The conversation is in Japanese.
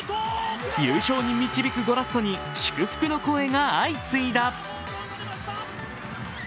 優勝に導くゴラッソに祝福の声が相次いだ。